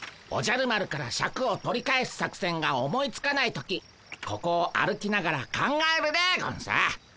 おじゃる丸からシャクを取り返す作戦が思いつかない時ここを歩きながら考えるでゴンス。